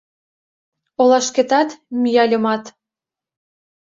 Олашкетат мияльымат